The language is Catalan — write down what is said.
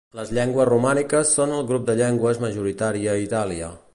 Les llengües romàniques són el grup de llengües majoritari a Itàlia.